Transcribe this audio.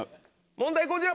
問題こちら！